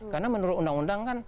karena menurut undang undang kan